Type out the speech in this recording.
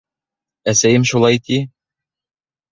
Әсәйем шулай ти.